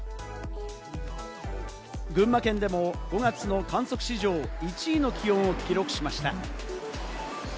群馬県でも５月の観測史上１位の気温を記録しました。